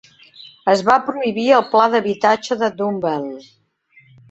Es va prohibir el pla d'habitatge de Dumb-bell.